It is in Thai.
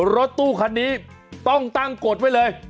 รถตู้คันนี้ต้องตั้งกฎไว้เลย